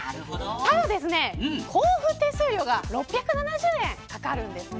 ただ交付手数料が６７０円かかるんですね。